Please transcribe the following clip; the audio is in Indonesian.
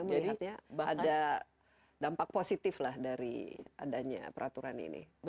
melihatnya ada dampak positif lah dari adanya peraturan ini